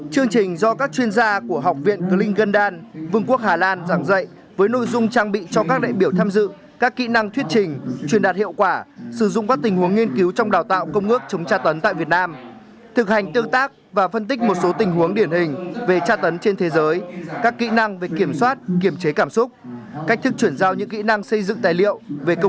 chương trình do các chuyên gia của học viện klingendan vương quốc hà lan giảng dạy với nội dung trang bị cho các đại biểu tham dự các kỹ năng thuyết trình truyền đạt hiệu quả sử dụng các tình huống nghiên cứu trong đào tạo công ước chống tra tấn tại việt nam thực hành tương tác và phân tích một số tình huống điển hình về tra tấn trên thế giới các kỹ năng về kiểm soát kiểm chế cảm xúc cách thức chuyển giao những kỹ năng xây dựng tài liệu về công ước